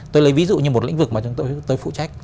tôi lấy ví dụ như một lĩnh vực mà tôi phụ trách